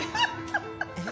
えっ？